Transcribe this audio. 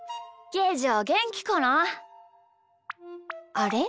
あれ？